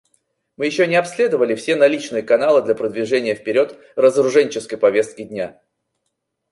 Мы еще не обследовали все наличные каналы для продвижения вперед разоруженческой повестки дня.